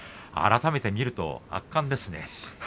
改めて見ると圧巻ですね。